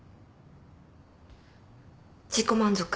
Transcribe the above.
自己満足。